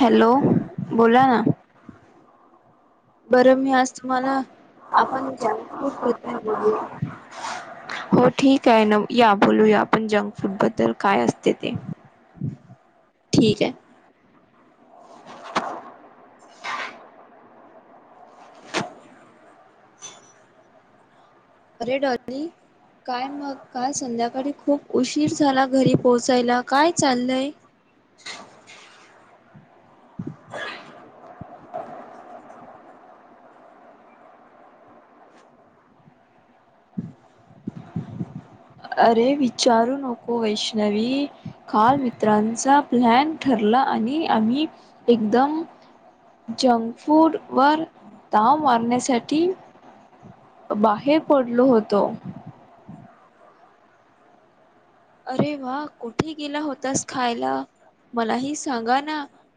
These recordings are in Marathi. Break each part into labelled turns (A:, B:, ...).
A: हॅलो बोला ना.
B: बरं मी अस
A: [unintelligible]
B: बद्दल बोलू
A: हो ठीके न या बोलूया आपण, जंक फूड बद्दल काय असते ते?
B: ठीके. अरे डॉली. काय मग, काल संध्याकाळी खूप उशीर झाला, घरी पोहोचायला, काय चाललय? कबभ ईइम
A: अरे विचारू नको वैष्णवी काल मित्रांचा प्लॅन ठरला आम्ही एकदम जंक फूड वर ताव मारण्यासाठी बाहेर पडलो होतो
B: अरे वा कुठे गेला होतास खायला. मलाही सांगा ना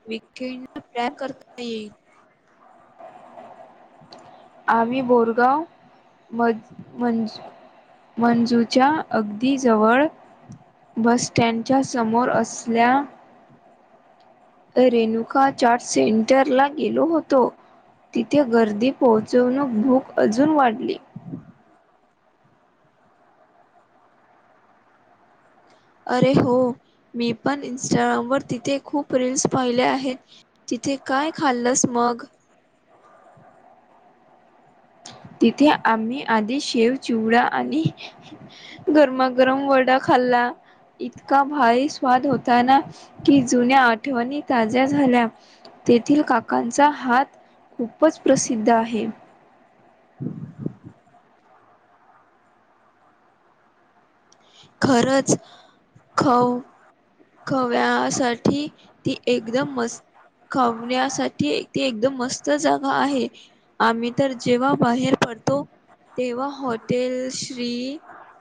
B: विके प्लॅन करता येईल.
A: आम्ही बोरगाव म मंज मंजूच्या अगदी जवळ बस. त्यांच्या समोर असल्या. रेणुका चार्ट सेंटर लाग. गेलो होतो तिथे गर्दी पोहोचवण भूक अजून वाढली.
B: अरे हो मी पण इंस्टाग्राम वर तिथे खूप रीलीलस पाहिले आहेत. तथे काय खाल्लस मग
A: तिथे आम्ही आधी शेव चिवडा आणि गरमागरम वड खल्ला. इतका भारी स्वाद होता ना की जुन्या आठवणी ताज्या झाल्या. तेथील काकांचा हात खूपच प्रसिद्ध आहे.
B: [inaudible] खरंच खऊ खव्यासाठी ती एकदम मस्त खावण्यासाठी ते एकदम मस्त जा आहे आम्ही तर जेव्हा बाहेर पडतो तेव्हा हॉटेल श्री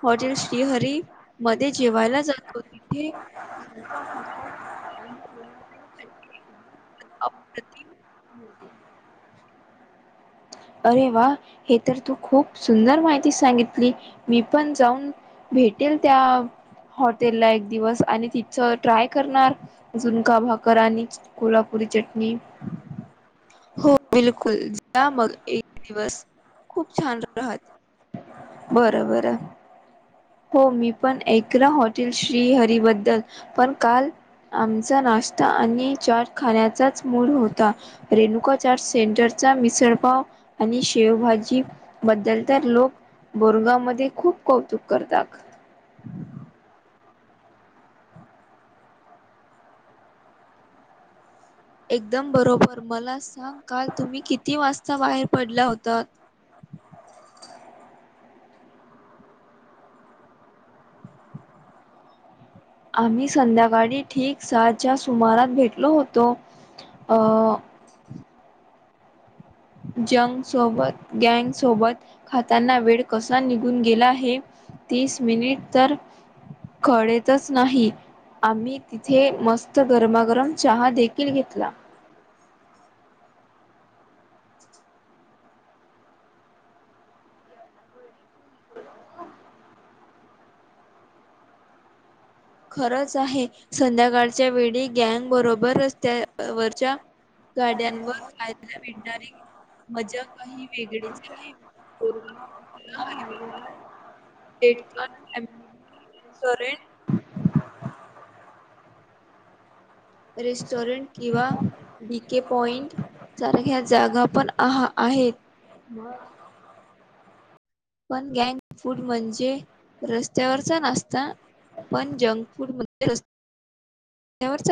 B: हॉटेल श्रीहरी मध्ये जेवायला जातो तिथे.
A: [unintelligible]
B: अ
A: अरे वा हे तर तू खूप सुंदर माहिती सांगितली मी पण जाऊन भेटेल त्या हॉटेल ला एक दिवस आणि तिच ट्राय करणार झुनका भाकर आणि कोल्हापुरी च्ट
B: हो बिलकुल जा मग दिवस खूप छान राहते.
A: बर बर. हो मी पण एकऐ ना होटल श्री हरी बद्दल पण काल आमचा नाश्ता आणि चाट खाण्याचाच मूळ होता रेणुका चचा्ट सेंटर चा मिसळ पाव आणि शेवभाजी बद्दल तर लोक बोरगामध्ये खूप कौतुक करतात.
B: एकदम बरोबर मला सांग का तुम्ही किती वाजता बाहेर पडला होता.
A: आम्ही संध्याकाळी ठीक सहाच्या सुमारात भेटलो होतो. [unintelligible] जंग सोबत गँग सोबत खाताना वेळ कसा निघून गेला हे. तीस मिनिट तर कळेतच नाही आम्ही तिथे मस्त गरमागरम चहा देखील घेतला.
B: खरंच आहे संध्याकाळच्या वेळी गँग बरोबर रस्त्यावरच्या गाड्यांवर खायला मिळणारी मजा काही वेगळीच आहे. कोरोना हायटेड करंट
A: [unintelligible] [unintelligible] आहे.
B: रेस्टॉरंट किंवा बी के पॉइंट सारख्या जागा पण आ आहेत मग पण गँक फूड म्हणजे रस्त्यावरचा नास्ता पण जंक फूड त्यावर